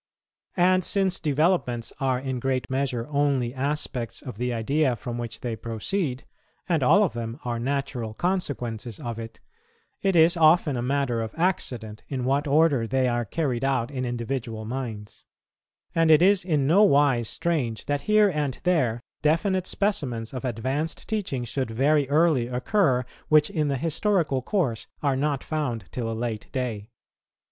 And since developments are in great measure only aspects of the idea from which they proceed, and all of them are natural consequences of it, it is often a matter of accident in what order they are carried out in individual minds; and it is in no wise strange that here and there definite specimens of advanced teaching should very early occur, which in the historical course are not found till a late day.